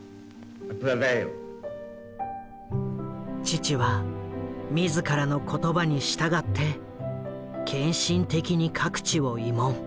父は自らの言葉に従って献身的に各地を慰問。